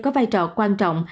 có vai trò quan trọng